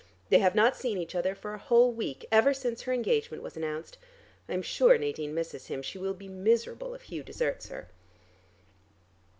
They have not seen each other for a whole week, ever since her engagement was announced. I am sure Nadine misses him; she will be miserable if Hugh deserts her."